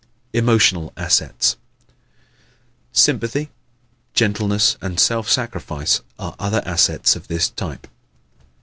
Emotional Assets ¶ Sympathy, gentleness and self sacrifice are other assets of this type.